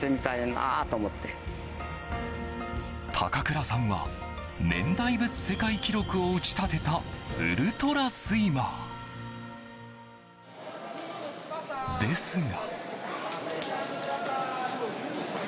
高倉さんは年代別世界記録を打ち立てたウルトラスイマー。ですが。